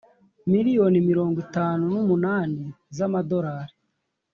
miliyoni mirongo itatu n umunani z amadolari